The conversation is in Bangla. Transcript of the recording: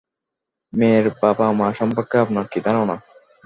মেয়ের বাবা-মা সম্পর্কে আপনার কী ধারণা?